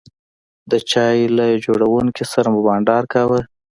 د چای له جوړونکي سره مو بانډار کاوه.